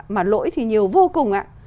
mà lỗi thì nhiều vô cùng